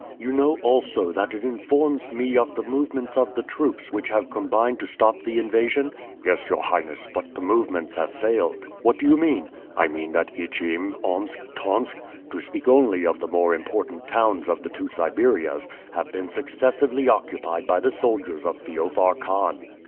"You know also that it informs me of the movements of the troops which have combined to stop the invasion?" "Yes, your Highness, but the movements have failed." "What do you mean?" "I mean that Ichim, Omsk, Tomsk, to speak only of the more important towns of the two Siberias, have been successively occupied by the soldiers of Feofar Khan."